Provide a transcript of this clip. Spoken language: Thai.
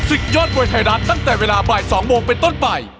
ศึกยอดมวยไทยรัฐตั้งแต่เวลาบ่าย๒โมงเป็นต้นไป